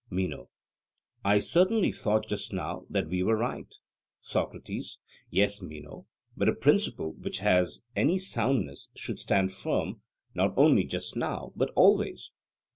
MENO: I certainly thought just now that we were right. SOCRATES: Yes, Meno; but a principle which has any soundness should stand firm not only just now, but always.